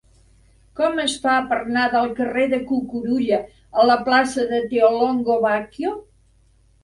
Com es fa per anar del carrer de Cucurulla a la plaça de Theolongo Bacchio?